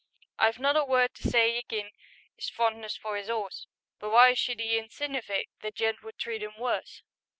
I've not a word to say agin His fondness for 'is 'orse, But why should 'e insinivate The gent would treat 'im worse?